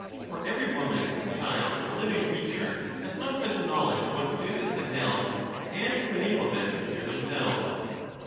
for every woman, child, or living creature has not such a knowledge of what conduces to health as to enable them to cure themselves.